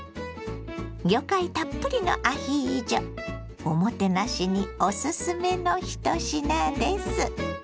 魚介たっぷりのアヒージョおもてなしにおすすめの一品です。